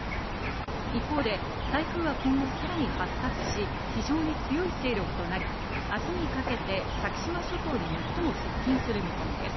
一方で台風は今後さらに発達し非常に強い勢力となり、明日にかけて先島諸島に最も接近する見込みです。